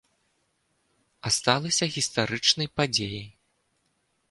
А сталася гістарычнай падзеяй.